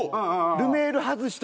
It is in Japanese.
ルメール外しとかして。